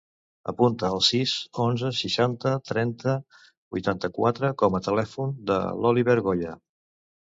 Apunta el sis, onze, seixanta, trenta, vuitanta-quatre com a telèfon de l'Oliver Goya.